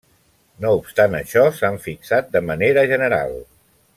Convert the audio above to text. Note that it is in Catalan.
No obstant això, s'han fixat de manera general.